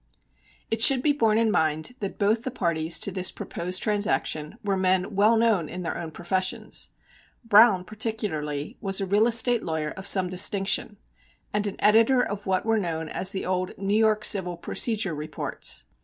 It should be borne in mind that both the parties to this proposed transaction were men well known in their own professions. Browne, particularly, was a real estate lawyer of some distinction, and an editor of what were known as the old "New York Civil Procedure Reports."